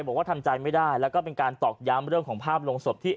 บอกว่าทำใจไม่ได้แล้วก็เป็นการตอกย้ำเรื่องของภาพลงศพที่